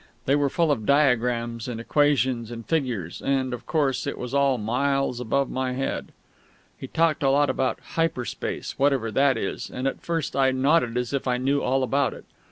They were full of diagrams and equations and figures; and, of course, it was all miles above my head. He talked a lot about "hyper space," whatever that is; and at first I nodded, as if I knew all about it.